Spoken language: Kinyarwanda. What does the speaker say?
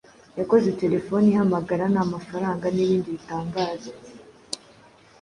yakoze telefone ihamagara nta mafaranga n’ibindi bitangaje